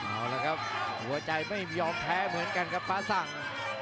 เอาละครับหัวใจไม่ยอมแพ้เหมือนกันครับฟ้าสั่ง